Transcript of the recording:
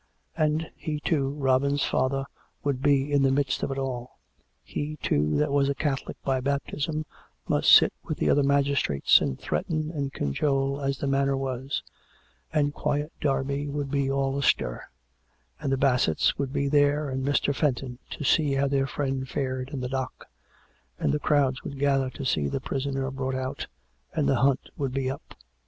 ... And he, too, Robin's father, would be in the midst of it all ; he, too, that was a Catholic by baptism, must sit with the other magistrates and threaten and cajole as the manner was; and quiet Derby would be all astir; and the Bassetts would be there, and Mr. Fenton, to see how their friend fared in the dock; and the crowds would gather to see the prisoner brought out, and the hunt would be up.